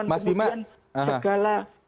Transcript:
dengan pengertian segala